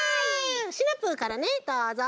シナプーからねどうぞ。